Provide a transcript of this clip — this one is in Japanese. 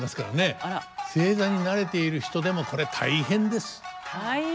正座に慣れている人でもこれ大変です。